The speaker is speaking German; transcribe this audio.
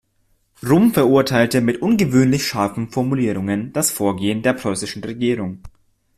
Rom verurteilte mit ungewöhnlich scharfen Formulierungen das Vorgehen der preußischen Regierung.